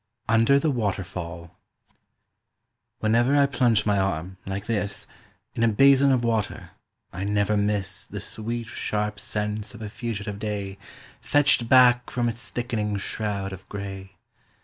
UNDER THE WATERFALL "WHENEVER I plunge my arm, like this, In a basin of water, I never miss The sweet sharp sense of a fugitive day Fetched back from its thickening shroud of gray.